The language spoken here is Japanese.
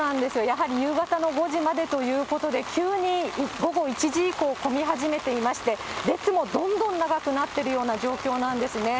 やはり夕方の５時までということで、急に午後１時以降、混み始めていまして、列もどんどん長くなっているような状況なんですね。